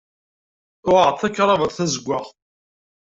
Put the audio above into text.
Uɣeɣ-d takravat tazeggaɣt.